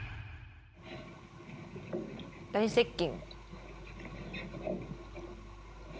大接近。